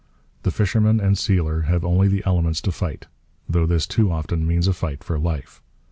The fisherman and sealer have only the elements to fight; though this too often means a fight for life.